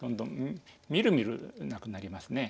みるみるなくなりますね。